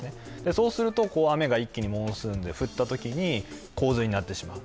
そうすると、雨が一気にモンスーンで降ったときに洪水になってしまう。